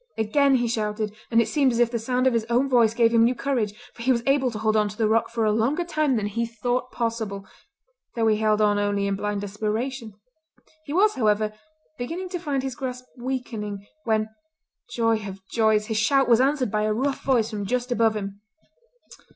Again he shouted, and it seemed as if the sound of his own voice gave him new courage, for he was able to hold on to the rock for a longer time than he thought possible—though he held on only in blind desperation. He was, however, beginning to find his grasp weakening, when, joy of joys! his shout was answered by a rough voice from just above him.